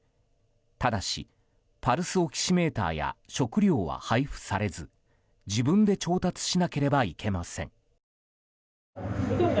ただし、パルスオキシメーターや食料は配布されず自分で調達しなければいけません。